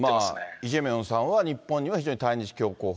イ・ジェミョンさんは、日本には非常に対日強硬派。